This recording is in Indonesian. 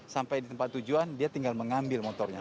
sampai di tempat tujuan dia tinggal mengambil motornya